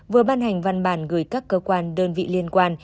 vừa ban hành văn bản gửi các cơ quan đơn vị liên quan